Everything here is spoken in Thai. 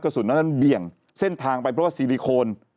สุนนั้นเบี่ยงเส้นทางไปเพราะว่าซีลิโคน